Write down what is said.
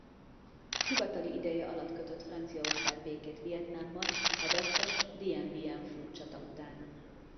Hivatali ideje alatt kötött Franciaország békét Vietnámmal a vesztes Dien Bien Phu-i csata után.